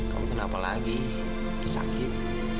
kamu kenapa lagi sakit